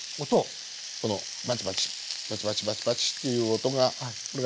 このパチパチパチパチパチパチっていう音がこれが